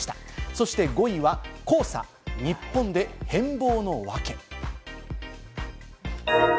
そして５位は黄砂、日本で変貌のワケ。